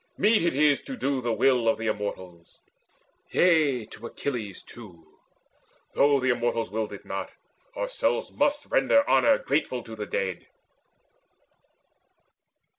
Meet it is to do the will Of the Immortals: yea, to Achilles too, Though the Immortals willed it not, ourselves Must render honour grateful to the dead."